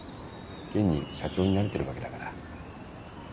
現に社長になれてるわけだから。